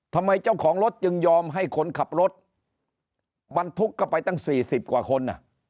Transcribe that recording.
ทำไมเจ้าของรถจึงยอมให้คนขับรถบรรทุกเข้าไปตั้ง๔๐กว่าคน